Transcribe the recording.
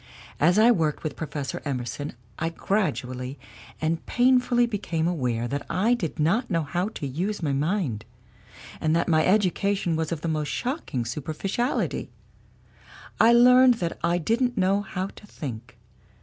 As I worked with Professor Emerson, I gradually and painfully became aware that I did not know how to use my 228 THE WOMEN WHO MAKE OUR NOVELS mind, and that my education was of the most shocking superficiality. I learned that I didn't know how to think.